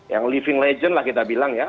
yang living legend lah kita bilang ya